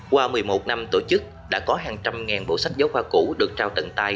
qua một mươi một năm tổ chức đã có hàng trăm ngàn bộ sách giáo khoa cũ được trao tận tay